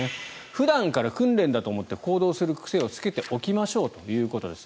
普段から訓練だと思って行動する癖をつけておきましょうということです。